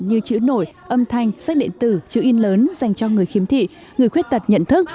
như chữ nổi âm thanh sách điện tử chữ in lớn dành cho người khiếm thị người khuyết tật nhận thức